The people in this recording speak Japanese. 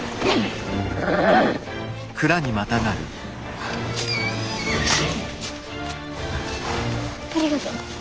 ありがとう。